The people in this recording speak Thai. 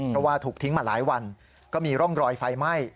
เพราะว่าถูกทิ้งมาหลายวันก็มีร่องรอยไฟไหม้